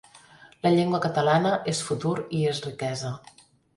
La llengua catalana és futur i és riquesa.